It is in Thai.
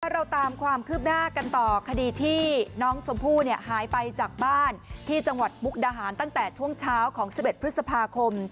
เราตามความคืบหน้ากันต่อคดีที่น้องชมพู่หายไปจากบ้านที่จังหวัดมุกดาหารตั้งแต่ช่วงเช้าของ๑๑พฤษภาคม